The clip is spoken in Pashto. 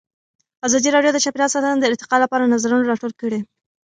ازادي راډیو د چاپیریال ساتنه د ارتقا لپاره نظرونه راټول کړي.